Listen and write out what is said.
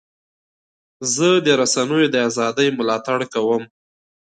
زه د رسنیو د ازادۍ ملاتړ کوم.